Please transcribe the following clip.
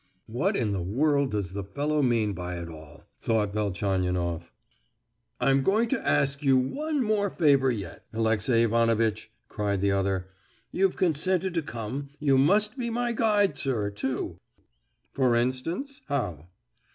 "What in the world does the fellow mean by it all?" thought Velchaninoff. "I'm going to ask you one more favour yet, Alexey Ivanovitch," cried the other. "You've consented to come; you must be my guide, sir, too." "For instance, how?"